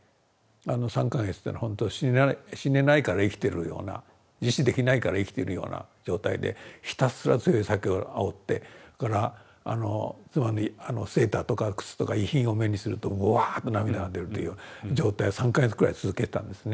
あの３か月というのはほんと死ねないから生きてるような自死できないから生きてるような状態でひたすら強い酒をあおってそれから妻のセーターとか靴とか遺品を目にするとうわっと涙が出るという状態を３か月くらい続けてたんですね。